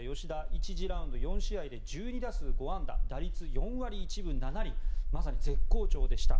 １次ラウンド４試合で１２打数５安打打率４割１分７厘とまさに絶好調でした。